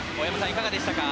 いかがでしたか。